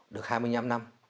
được hai mươi năm năm